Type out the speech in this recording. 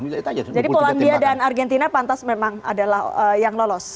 jadi polandia dan argentina pantas memang adalah yang lolos